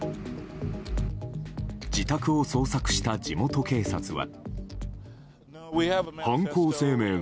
自宅を捜索した地元警察は。